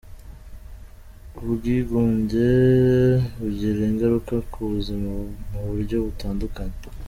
Ubwigunge bugira ingaruka ku buzima mu buryo butandukanye.